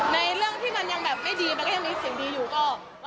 ในเรื่องที่มันยังแบบไม่ดีมันก็ยังมีเสียงดีอยู่ก็